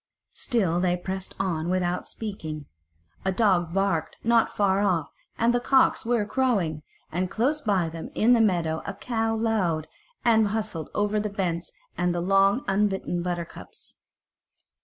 Still they pressed on without speaking; a dog barked not far off and the cocks were crowing, and close by them in the meadow a cow lowed and went hustling over the bents and the long, unbitten buttercups.